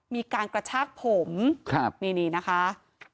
มีการกระชากผมครับนี่นี่นะคะ